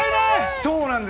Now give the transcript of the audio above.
そうなんです。